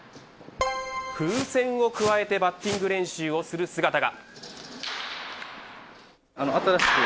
風船をくわえてバッティング練習をする姿が。